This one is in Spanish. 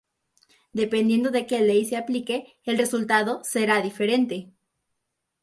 Dependiendo de que ley se aplique el resultado será diferente.